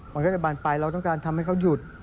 มันก็จะบานไปเราต้องการทำให้เขาหยุด